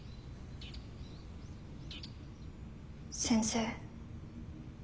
先生。